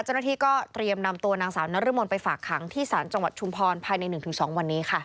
เจ้าหน้าที่ก็เตรียมนำตัวนางสาวนรมนไปฝากขังที่ศาลจังหวัดชุมพรภายใน๑๒วันนี้ค่ะ